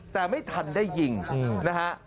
แต่ไม่ทันได้ยิงนะฮะ